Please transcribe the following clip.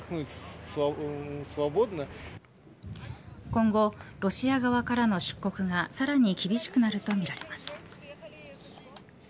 今後、ロシア側からの出国がさらに厳しくなるとみられます。